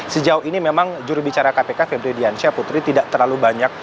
sejauh ini memang jurubicara kpk febri diansyah putri tidak terlalu banyak